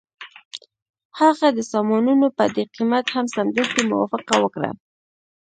هغه د سامانونو په دې قیمت هم سمدستي موافقه وکړه